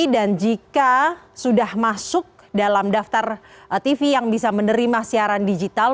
dan jika sudah masuk dalam daftar tv yang bisa menerima siaran digital